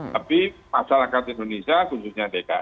tapi masyarakat indonesia khususnya dki